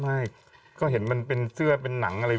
ไม่ก็เห็นมันเป็นเสื้อเป็นหนังอะไร